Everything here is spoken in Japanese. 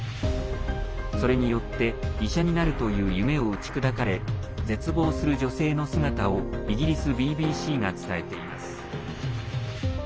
それによって医者になるという夢を打ち砕かれ絶望する女性の姿をイギリスＢＢＣが伝えています。